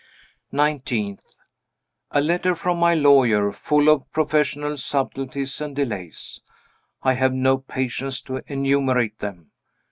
19th. A letter from my lawyer, full of professional subtleties and delays. I have no patience to enumerate them.